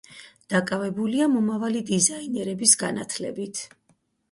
დაკავებულია მომავალი დიზაინერების განათლებით.